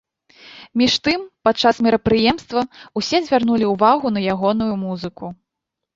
Між тым падчас мерапрыемства ўсе звярнулі ўвагу на ягоную музыку.